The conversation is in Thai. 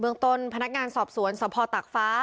เมืองต้นพนักงานสอบสวนสภตากฟ้า